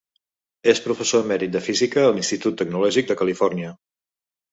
És professor emèrit de física a l'Institut Tecnològic de Califòrnia.